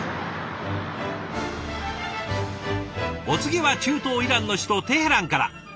お次は中東イランの首都テヘランから。